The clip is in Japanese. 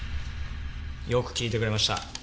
よく聞いてくれました。